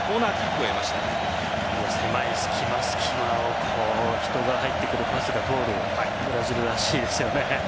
この狭い隙間を人が入ってくるパスが通るブラジルは強いですよね。